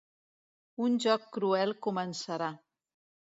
Un joc cruel començarà.